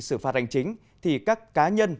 xử phạt hành chính thì các cá nhân